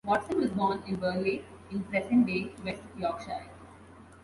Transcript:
Watson was born in Burley, in present-day West Yorkshire.